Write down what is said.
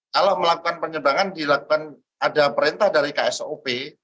kalau melakukan penyebrangan ada perintah dari ksop